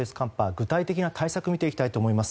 具体的な対策を見ていきたいと思います。